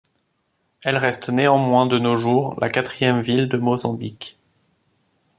Elle reste néanmoins de nos jours la quatrième ville de Mozambique.